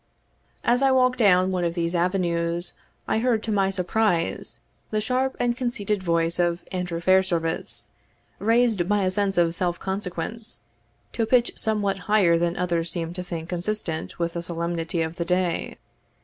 As I walked down one of these avenues, I heard, to my surprise, the sharp and conceited voice of Andrew Fairservice, raised by a sense of self consequence to a pitch somewhat higher than others seemed to think consistent with the solemnity of the day.